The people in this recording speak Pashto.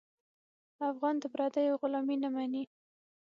افغان د پردیو غلامي نه مني.